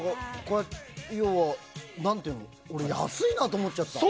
要は、何ていうか俺、安いなと思っちゃった。